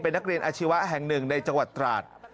นักเรียนอาชีวะแห่งหนึ่งในจังหวัดตราด